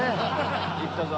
行ったぞ。